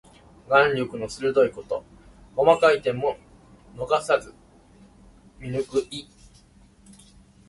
眼力の鋭いこと。細かい点も逃さず見抜く意。